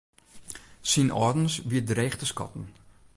Syn âldens wie dreech te skatten.